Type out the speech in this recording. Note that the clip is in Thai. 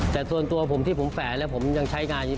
แต่ส่วนตัวผมที่ผมแฝแล้วผมยังใช้งานอยู่